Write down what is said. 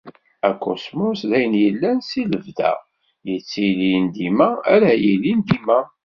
Akuṣmus d ayen yellan si lebda, yettilin dima, ara yilin dima.